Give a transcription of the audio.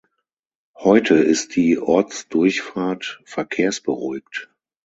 Heute ist die Ortsdurchfahrt verkehrsberuhigt.